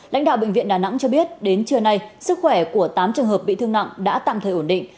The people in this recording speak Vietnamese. lãnh đạo bệnh viện đà nẵng cho biết đến trưa nay sức khỏe của tám trường hợp bị thương nặng đã tạm thời ổn định